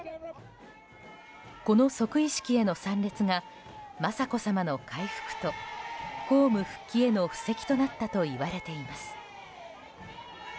この即位式への参列が雅子さまの回復と公務復帰への布石となったといわれています。